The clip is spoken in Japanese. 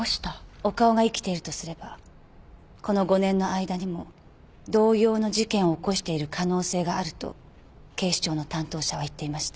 岡尾が生きているとすればこの５年の間にも同様の事件を起こしている可能性があると警視庁の担当者は言っていました。